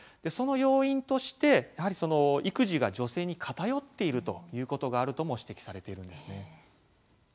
その要因として、やはり育児が女性に偏っているということがあるとも指摘されているんですね。